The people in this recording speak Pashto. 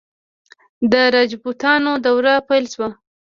د راجپوتانو دوره پیل شوه.